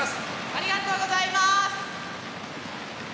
ありがとうございます。